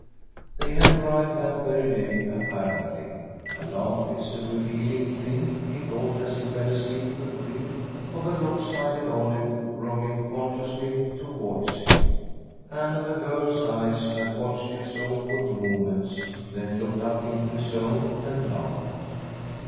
They had arrived that very day apparently. A laugh is a revealing thing, he thought as he fell asleep to dream of a lob sided olive rolling consciously towards him, and of a girl's eyes that watched its awkward movements, then looked up into his own and laughed.